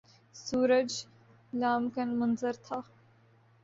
سورج ل کا منظر تھا